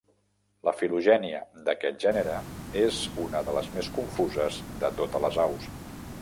La filogènia d'aquest gènere és una de les més confuses de totes les aus.